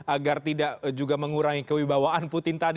agar tidak juga mengurangi kewibawaan putin tadi